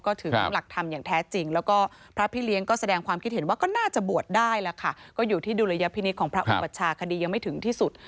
ก็ถือคำหลักธรรมอย่างแท้จริง